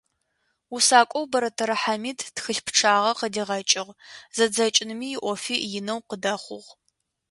Усакӏоу Бэрэтэрэ Хьамид тхылъ пчъагъэ къыдигъэкӏыгъ, зэдзэкӏыным иӏофи инэу къыдэхъугъ.